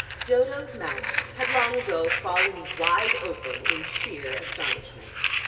Dodo's mouth had long ago fallen wide open in sheer astonishment.